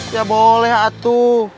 ya boleh atu